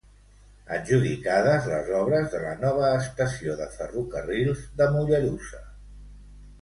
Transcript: Adjudicades les obres de la nova estació de ferrocarrils de Mollerussa.